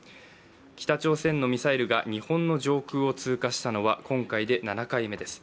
北朝鮮のミサイルが日本の上空を通過したのは今回で７回目です。